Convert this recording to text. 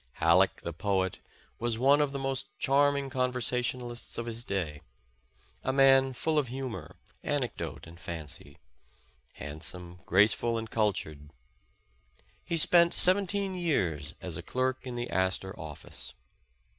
Halleck, the poet, was one of the most charming con versationalists of his day, a man full of humor, anec dote and fancy ; handsome, graceful and cultured. He spent seventeen years as a clerk in the Astor office.